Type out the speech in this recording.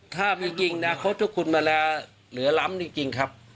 ถ้ามีจริงอนาคตพวกคุณมาแล้วเหลือล้ำจริงครับ